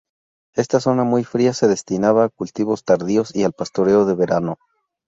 Esta zona, muy fría, se destinaba a cultivos tardíos y al pastoreo de verano.